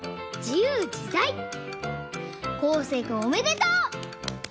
こうせいくんおめでとう！